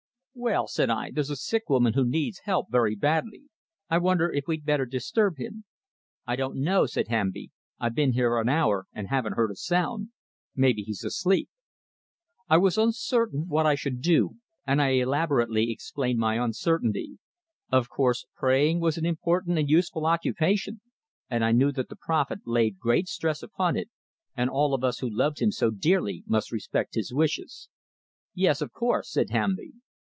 "Well," said I, "there's a sick woman who needs help very badly. I wonder if we'd better disturb him." "I don't know," said Hamby. "I've been here an hour, and haven't heard a sound. Maybe he's asleep." I was uncertain what I should do, and I elaborately explained my uncertainty. Of course, praying was an important and useful occupation, and I knew that the prophet laid great stress upon it, and all of us who loved him so dearly must respect his wishes. "Yes, of course," said Hamby.